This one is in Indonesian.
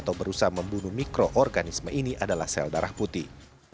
atau berusaha membunuh mikroorganisme ini adalah sel darah putih